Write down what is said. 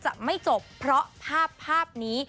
จะไม่จบเพราะภาพในภาพนี้